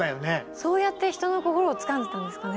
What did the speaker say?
そうやって人の心をつかんでたんですかね。